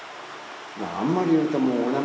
あんまり言うともうお涙